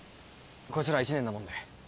こいつら１年なもんで。